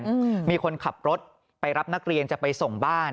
อืมมีคนขับรถไปรับนักเรียนจะไปส่งบ้าน